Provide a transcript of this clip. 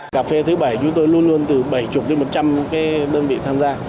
cà phê thứ bảy chúng tôi luôn luôn từ bảy mươi đến một trăm linh cái đơn vị tham gia